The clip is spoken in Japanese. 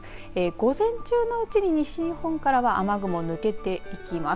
午前中のうちに西日本からは雨雲が抜けていきます。